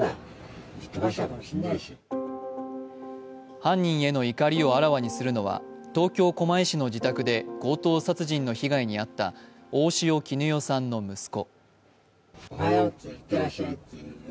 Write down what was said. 犯人への怒りをあらわにするのは、東京・狛江市の自宅で強盗殺人の被害に遭った大塩衣与さんの息子。